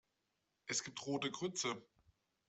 Es gibt rote Grütze.